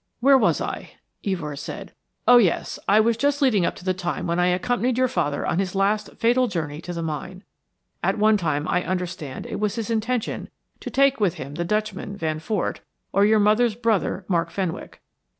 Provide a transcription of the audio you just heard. "Where was I?" Evors asked. "Oh, yes, I was just leading up to the time when I accompanied your father on his last fatal journey to the mine. At one time I understand it was his intention to take with him the Dutchman, Van Fort, or your mother's brother, Mark Fenwick.